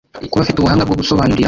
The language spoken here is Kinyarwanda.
kuba afite ubuhanga bwo gusobanurira